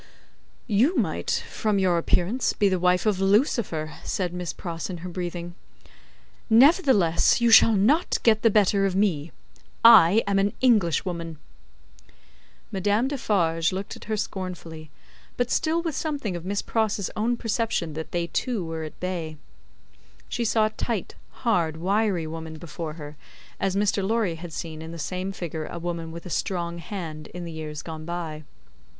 "You might, from your appearance, be the wife of Lucifer," said Miss Pross, in her breathing. "Nevertheless, you shall not get the better of me. I am an Englishwoman." Madame Defarge looked at her scornfully, but still with something of Miss Pross's own perception that they two were at bay. She saw a tight, hard, wiry woman before her, as Mr. Lorry had seen in the same figure a woman with a strong hand, in the years gone by.